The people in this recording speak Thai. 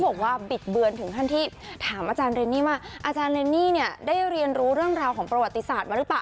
บอกว่าบิดเบือนถึงขั้นที่ถามอาจารย์เรนนี่ว่าอาจารย์เรนนี่เนี่ยได้เรียนรู้เรื่องราวของประวัติศาสตร์มาหรือเปล่า